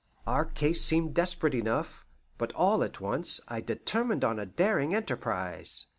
Our case seemed desperate enough, but all at once I determined on a daring enterprise.